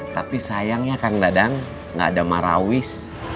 tapi sayangnya kan dadang gak ada marawis